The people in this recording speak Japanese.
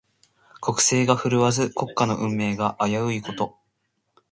国勢が振るわず、国家の運命が危ういこと。